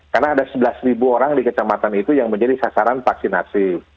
karena ada sebelas orang di kecamatan itu yang menjadi sasaran vaksinasi